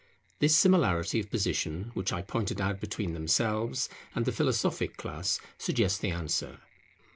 This similarity of position which I pointed out between themselves and the philosophic class suggests the answer.